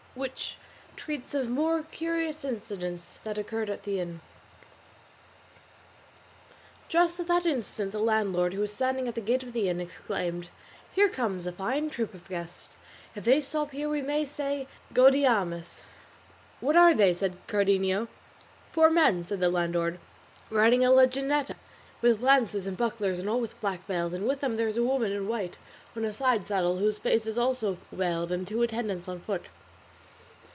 WHICH TREATS OF MORE CURIOUS INCIDENTS THAT OCCURRED AT THE INN Just at that instant the landlord, who was standing at the gate of the inn, exclaimed, "Here comes a fine troop of guests; if they stop here we may say gaudeamus." "What are they?" said Cardenio. "Four men," said the landlord, "riding a la jineta, with lances and bucklers, and all with black veils, and with them there is a woman in white on a side saddle, whose face is also veiled, and two attendants on foot."